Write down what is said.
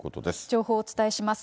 情報をお伝えします。